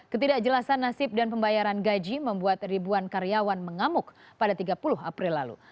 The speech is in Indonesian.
ketidakjelasan nasib dan pembayaran gaji membuat ribuan karyawan mengamuk pada tiga puluh april lalu